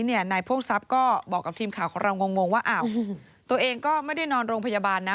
นายพ่วงทรัพย์ก็บอกกับทีมข่าวของเรางงว่าอ้าวตัวเองก็ไม่ได้นอนโรงพยาบาลนะ